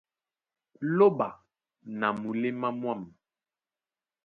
Lóɓa na muléma mwâm.